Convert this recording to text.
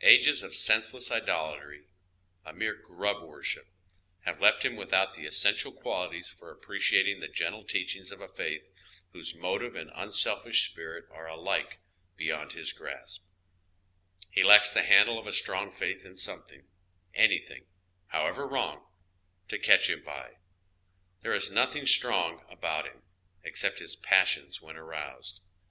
Ages of senseless idolatry, a mere grub worship, have left him without the essential quali ties for appreciating the gentle teachings of a faitli whose motive and unselfish spirit are alike beyond his grasp, lie lacks the handle of a strong faith in something, any thing, however wrong, to catch him by. There is nothing strong about him, except liis passions when aroused.